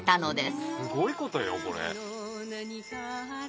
すごいことよこれ。